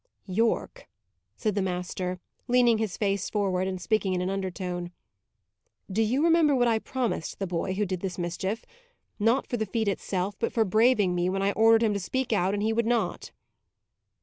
"Yorke," said the master, leaning his face forward and speaking in an undertone, "do you remember what I promised the boy who did this mischief? Not for the feat itself, but for braving me, when I ordered him to speak out, and he would not."